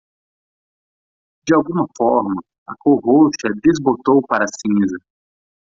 De alguma forma, a cor roxa desbotou para cinza.